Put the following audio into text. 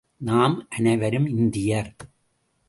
நாம் அனைவரும் இந்தியர்!